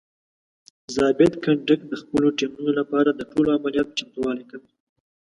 ضابط کنډک د خپلو ټیمونو لپاره د ټولو عملیاتو چمتووالی کوي.